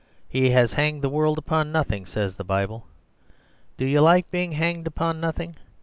"He has hanged the world upon nothing," says the Bible. Do you like being hanged upon nothing?